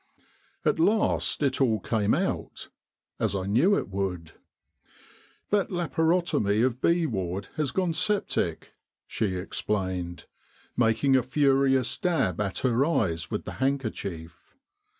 At last it all came out, as I knew it would. ' That laparotomy of B Ward has gone septic,' she explained, making a furious dab at her eyes with the handkerchief.